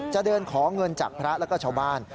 จะเดินขอเงินจากพระแล้วก็ชาวบ้าน